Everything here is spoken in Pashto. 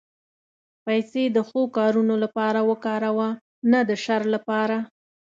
پېسې د ښو کارونو لپاره وکاروه، نه د شر لپاره.